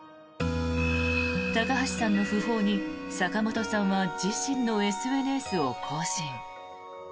高橋さんの訃報に坂本さんは自身のＳＮＳを更新。